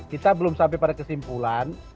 kita belum sampai pada kesimpulan